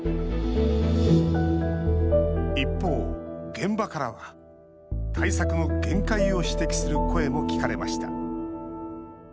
一方、現場からは対策の限界を指摘する声も聞かれました。